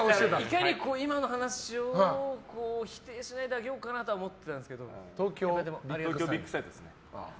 いかに今の話を否定しないであげようかなとは東京ビッグサイトです。